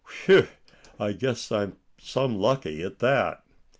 Whew! I guess I'm some lucky at that.